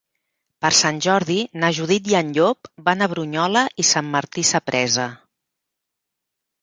Per Sant Jordi na Judit i en Llop van a Brunyola i Sant Martí Sapresa.